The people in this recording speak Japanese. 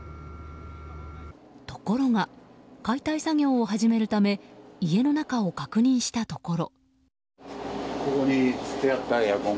ところが、解体作業を始めるため家の中を確認したところ。